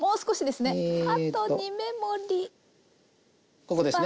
ここですね。